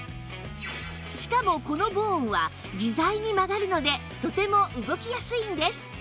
しかもこのボーンは自在に曲がるのでとても動きやすいんです